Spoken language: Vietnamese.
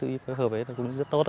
có bác sĩ phối hợp cơ cũng rất tốt